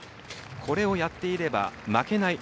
これをやっていれば負けない。